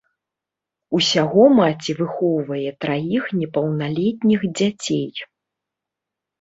Усяго маці выхоўвае траіх непаўналетніх дзяцей.